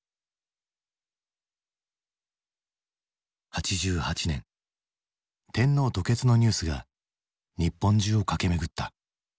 ８８年天皇吐血のニュースが日本中を駆け巡った。